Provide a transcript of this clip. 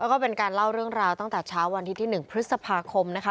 แล้วก็เป็นการเล่าเรื่องราวตั้งแต่เช้าวันที่๑พฤษภาคมนะคะ